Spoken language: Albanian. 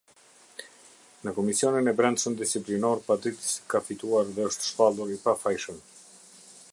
Në Komisionin e Brendshëm Disiplinor paditësi ka fituar dhe është shpallur i pafajshëm.